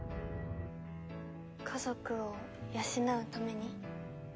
家族を養うために？